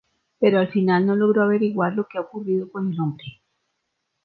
Pero al final no logra averiguar lo que ha ocurrido con el hombre.